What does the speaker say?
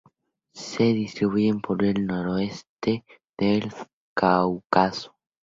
Se distribuye por el nordeste del Cáucaso.